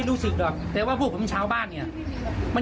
รู้ไหมครับเกิดอะไรขึ้น